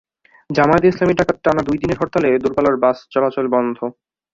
জামায়াতে ইসলামীর ডাকা টানা দুই দিনের হরতালে দূরপাল্লার বাস চলাচল বন্ধ।